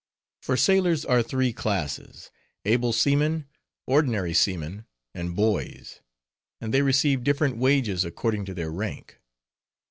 For sailors are of three classes—able seaman, ordinary seaman, and boys; and they receive different wages according to their rank.